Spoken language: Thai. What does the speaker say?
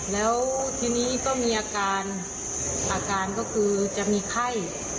แล้วทีนี้ก็มีอาการอาการก็คือจะมีไข้